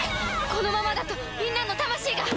このままだとみんなの魂が。